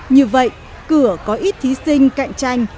như vậy cửa có ít thí sinh cạnh tranh